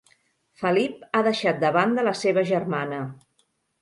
Felip ha deixat de banda la seva germana.